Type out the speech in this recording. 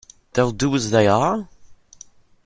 They'll do as they are?